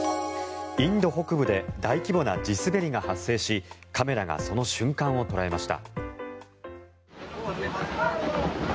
インド北部で大規模な地滑りが発生しカメラがその瞬間を捉えました。